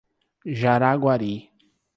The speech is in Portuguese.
Jaraguari